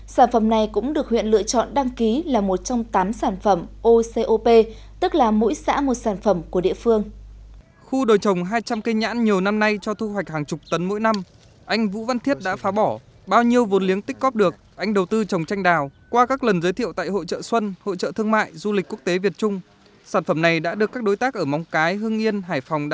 sản phẩm này cũng được huyện lựa chọn đăng ký là một trong tám sản phẩm ocop tức là mỗi xã một sản phẩm của địa phương